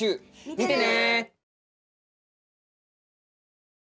見てね！